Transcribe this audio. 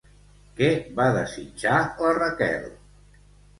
Què va desitjar la Raquel?